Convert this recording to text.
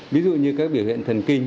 ví dụ như các biểu hiện thần kinh